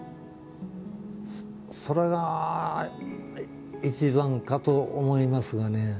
それが一番かと思いますがね。